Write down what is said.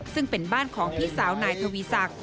ซึ่งเป็นบ้านของพี่สาวนายทวีศักดิ์